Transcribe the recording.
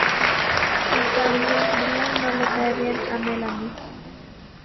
En cambio Brian no le cae bien a Melanie.